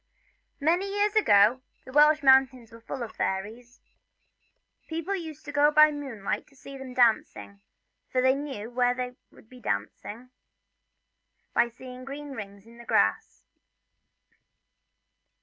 MANY years ago the Welsh mountains were full of fairies. People used to go by moonlight to see them dancing, for they knew where they would dance by seeing green rings in the grass.